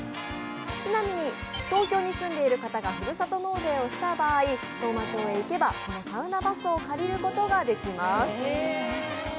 ちなみに東京に住んでいる方がふるさと納税をした場合、当麻町へ行けば、このサウナバスを借りることができます。